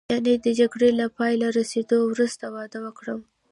یعنې د جګړې له پایته رسېدو وروسته واده وکړم.